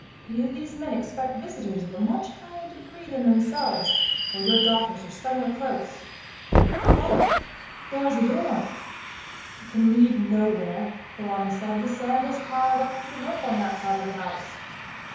Either these men expect visitors of a much higher degree than themselves, or your daughters are somewhere close. "Oh! there is a door." "It can lead nowhere," Polani said. "The sand is piled up to the roof on that side of the house."